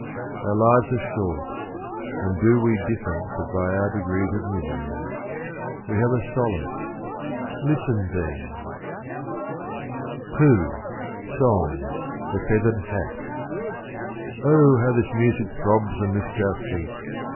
— Our lives are short, And do we differ but by our degrees of misery. We have a solace. — Listen then : 38 SACHEVERELL SITWELL. II. SONG. THE FEATHERED HAT. OH ! how this music throbs and lifts our feet